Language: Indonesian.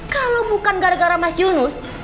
kalau bukan gara gara mas yunus